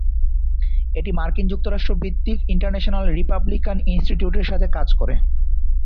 এটি মার্কিন যুক্তরাষ্ট্র ভিত্তিক ইন্টারন্যাশনাল রিপাবলিকান ইনস্টিটিউটের সাথে কাজ করে।